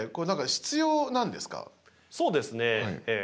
そうですね。